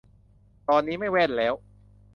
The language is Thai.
ตอนนี้ไม่แว่นแล้ว